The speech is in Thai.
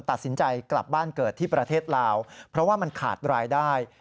ตัดสินใจกลับบ้านเกิดที่ประเทศลาวเพราะว่ามันขาดรายได้